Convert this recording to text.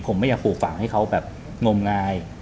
ผมไม่อยากปลูกฝังให้เขาแบบงมงาย